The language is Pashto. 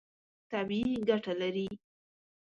طبیعي ګټه لري.